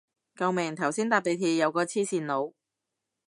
救命頭先搭地鐵有個黐線佬